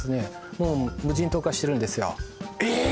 もう無人島化してるんですよええーっ！？